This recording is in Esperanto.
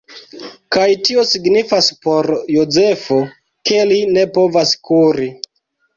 Kaj tio signifas por Jozefo ke li ne povas kuri.